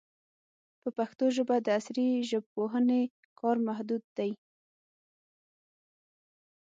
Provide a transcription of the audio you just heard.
په پښتو ژبه د عصري ژبپوهنې کار محدود دی.